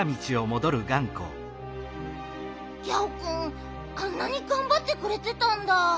ギャオくんあんなにがんばってくれてたんだ。